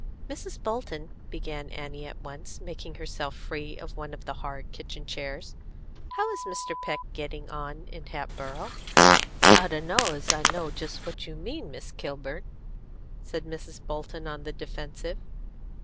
"Mrs. Bolton," Annie began at once, making herself free of one of the hard kitchen chairs, "how is Mr. Peck getting on in Hatboro'?" "I d'know as I know just what you mean, Miss Kilburn," said Mrs. Bolton, on the defensive.